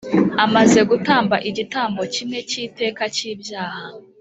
amaze gutamba igitambo kimwe cy'iteka cy'ibyaha,